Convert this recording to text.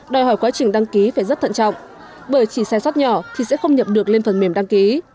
đòi hỏi quá trình đăng ký phải rất thận trọng bởi chỉ xe xót nhỏ thì sẽ không nhập được lên phần mềm đăng ký